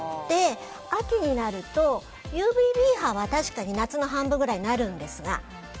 秋になると、ＵＶ‐Ｂ波は確かに夏の半分ぐらいになるんですが